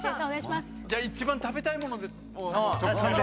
じゃあ一番食べたい物を直感で。